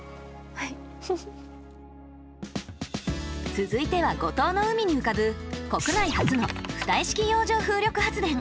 続いては五島の海に浮かぶ国内初の浮体式洋上風力発電！